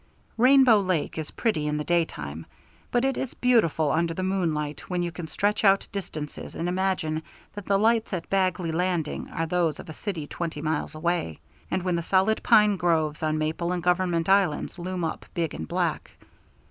Rainbow Lake is pretty in the daytime, but it is beautiful under the moonlight when you can stretch out distances and imagine that the lights at Bagley's Landing are those of a city twenty miles away, and when the solid pine groves on Maple and Government islands loom up big and black.